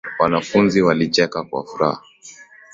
Wanafunzi walicheka kwa furaha